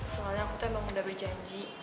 soalnya aku tuh emang udah berjanji